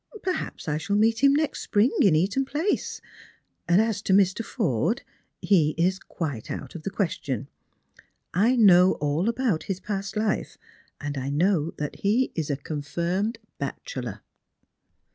Perhaps I shall meet him next spring in Eaton place. As to Mr. Forde, he is quite out of the question. I know all about his past life, and know that he is a confirmed bachelor."